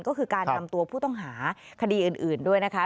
ก็คือการนำตัวผู้ต้องหาคดีอื่นด้วยนะคะ